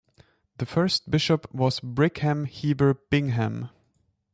The first bishop was Brigham Heber Bingham.